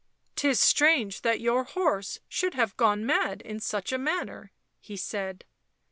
" 'Tis strange that your horse should have gone mad in such a manner," he said.